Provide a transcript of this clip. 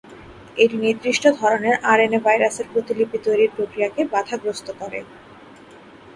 এটি নির্দিষ্ট ধরনের আরএনএ ভাইরাসের প্রতিলিপি তৈরির প্রক্রিয়াকে বাধাগ্রস্ত করে।